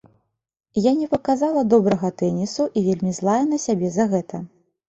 Я не паказала добрага тэнісу і вельмі злая на сябе за гэта.